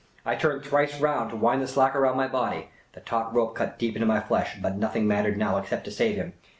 I turned thrice round, to wind the slack about my body. The taut rope cut deep into my flesh ; but no thing mattered now, except to save him.